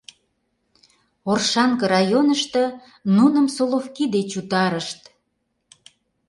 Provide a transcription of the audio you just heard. Оршанка районышто нуным Соловки деч утарышт.